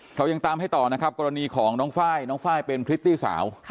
เรายังตามให้ต่อนะครับกรณีของน้องไฟล์น้องไฟล์เป็นพริตตี้สาว